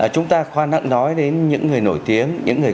chúng ta khoan hẳn nói đến những người nổi tiếng những người